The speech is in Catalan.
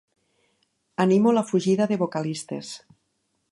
Animo la fugida de vocalistes.